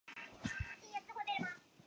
在那里神女俄诺斯爱上了他。